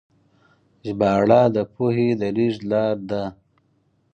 ژباړه د پوهې د لیږد لاره ده.